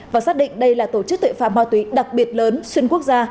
và xác định đây là tổ chức tội phạm ma túy đặc biệt lớn xuyên quốc gia